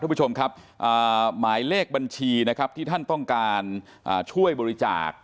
คุณผู้ชมครับหมายเลขบัญชีนะครับที่ท่านต้องการช่วยบริจาค